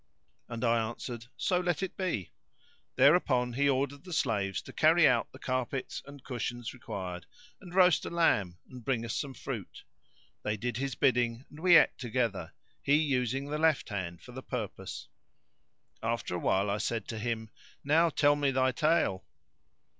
and I answered "So let it be." Thereupon he ordered the slaves to carry out the carpets and cushions required and roast a lamb and bring us some fruit. They did his bidding and we ate together, he using the left hand for the purpose. After a while I said to him, "Now tell me thy tale."